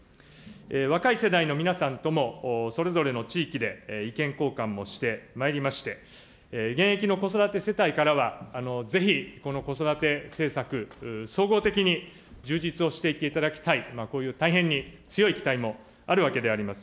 若い世代の皆さんとも、それぞれの地域で意見交換もしてまいりまして、現役の子育て世帯からは、ぜひ、この子育て政策、総合的に充実をしていっていただきたい、こういう大変に強い期待もあるわけであります。